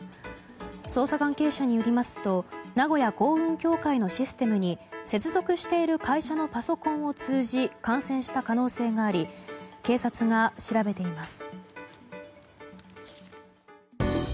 捜査関係者によりますと名古屋港運協会のシステムに接続している会社のパソコンを通じ感染した可能性があり警察が調べています。